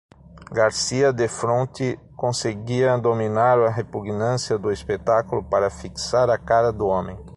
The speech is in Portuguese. Garcia, defronte, conseguia dominar a repugnância do espetáculo para fixar a cara do homem.